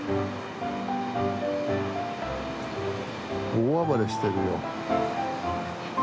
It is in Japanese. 大暴れしてるよ。